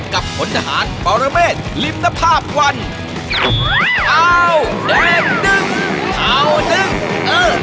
กับผลหาดบาลเมศลิมนภาพวันอ้าวแดงนึงอ้าวนึงเออ